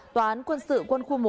tòa án quân sự quân khu một